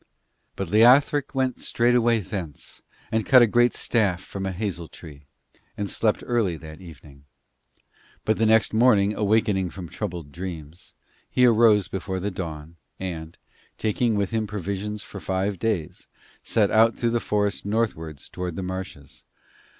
But Leothric went straightway thence, and cut a great staff from a hazel tree, and slept early that evening. But the next morning, awaking from troubled dreams, he arose before the dawn, and, taking with him provisions for five days, set out through the forest northwards towards the marshes.